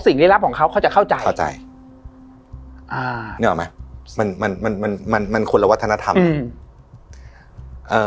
สิ่งฤทธิ์ลับของเขาเขาจะเข้าใจเข้าใจอ่านี่ออกไหมมันมันมันมันมันควรละวัฒนธรรมอืม